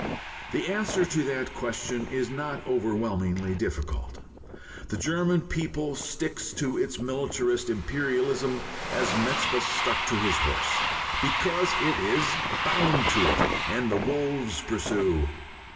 The answer to that question is not overwhelmingly difficult. The German people sticks to its militarist imperialism as Mazeppa stuck to his horse; because it is bound to it, and the wolves pursue.